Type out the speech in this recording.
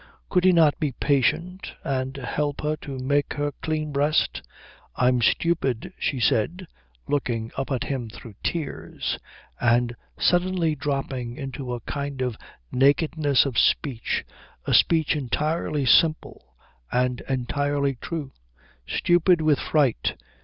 Could he not be patient, and help her to make her clean breast? "I'm stupid," she said, looking up at him through tears, and suddenly dropping into a kind of nakedness of speech, a speech entirely simple and entirely true, "stupid with fright."